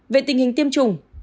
về tình hình tiêm chủng